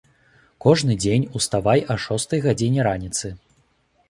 Кожны дзень уставай а шостай гадзіне раніцы.